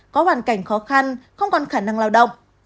có hoàn cảnh khó khăn không còn khả năng lao động